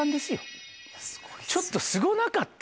ちょっとすごなかった？